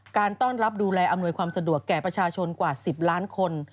การต้อนรับดูแลอำนวยความสะดวกแก่ประชาชนกว่า๑๐ล้านคน